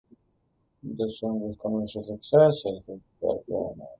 The song was a commercial success, and Ellis-Bextor signed to Polydor.